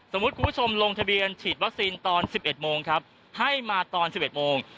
คุณผู้ชมลงทะเบียนฉีดวัคซีนตอน๑๑โมงครับให้มาตอน๑๑โมง